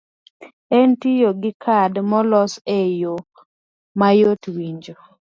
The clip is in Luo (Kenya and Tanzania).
en tiyo gi kad molos e yo mayot winjo.